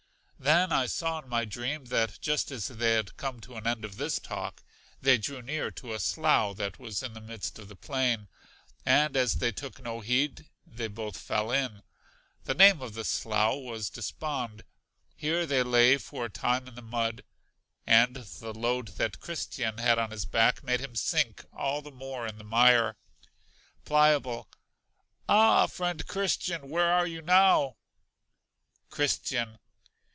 Then I saw in my dream that just as they had come to an end of this talk, they drew near to a slough that was in the midst of the plain, and as they took no heed, they both fell in. The name of the slough was Despond. Here they lay for a time in the mud; and the load that Christian had on his back made him sink all the more in the mire. Pliable. Ah! friend Christian, where are you now? Christian.